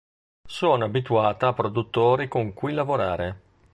Sono abituata a produttori con cui lavorare.